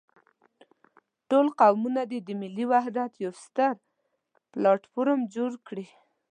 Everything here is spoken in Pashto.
ټول قومونه دې د ملي وحدت يو ستر پلاټ فورم جوړ کړي.